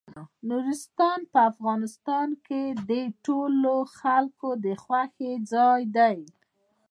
نورستان په افغانستان کې د ټولو خلکو د خوښې ځای دی.